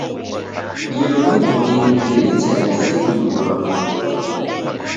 Dilo riboie ni rija mrisedumbulwadumbulwa.